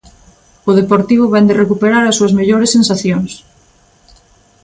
O Deportivo vén de recuperar as súas mellores sensacións.